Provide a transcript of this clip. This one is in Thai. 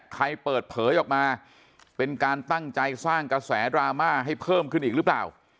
ใครเปิดเผยออกมาเป็นการตั้งใจสร้างกระแสดราม่าให้เพิ่มขึ้นอีกหรือเปล่า